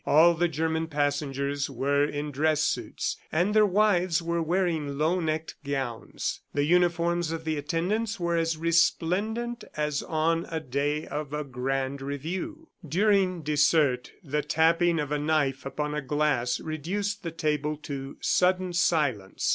All the German passengers were in dress suits, and their wives were wearing low necked gowns. The uniforms of the attendants were as resplendent as on a day of a grand review. During dessert the tapping of a knife upon a glass reduced the table to sudden silence.